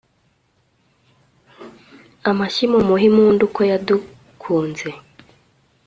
amashyi mumuhe impundu, ko yadukunze